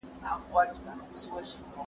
ژوند له سولي سره